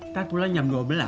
kita pulang jam dua belas